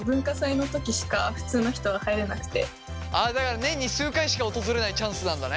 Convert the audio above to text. だから年に数回しか訪れないチャンスなんだね。